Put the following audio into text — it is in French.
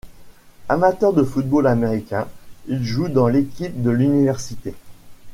Amateur de football américain, il joue dans l'équipe de l'université.